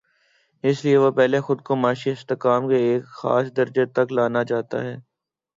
اس لیے وہ پہلے خود کو معاشی استحکام کے ایک خاص درجے تک لا نا چاہتا ہے۔